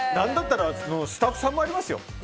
なんだったら、スタッフさんもあります。